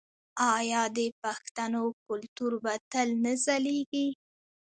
آیا د پښتنو کلتور به تل نه ځلیږي؟